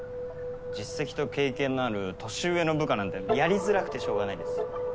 実績と経験のある年上の部下なんてやりづらくてしょうがないです。